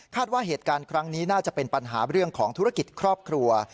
ว่าเหตุการณ์ครั้งนี้น่าจะเป็นปัญหาเรื่องของธุรกิจครอบครัว